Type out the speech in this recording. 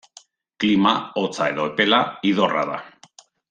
Klima, hotza edo epela, idorra da.